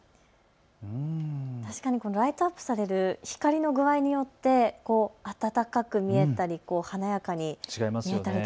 ライトアップされる光の具合によって温かく見えたり華やかに見えたり。